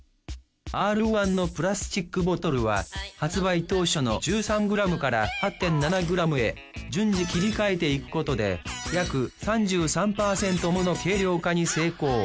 Ｒ−１のプラスチックボトルは発売当初の１３ｇから８．７ｇへ順次切り替えていくことで約３３％もの軽量化に成功。